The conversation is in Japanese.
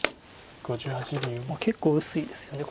結構薄いですよね